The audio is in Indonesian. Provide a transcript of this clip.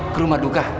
ke rumah duka